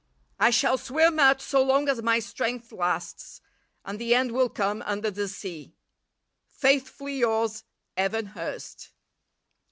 I shall swim out so long as my strength lasts, and the end will come under the sea. Faithfully yours, "EVAN HURST."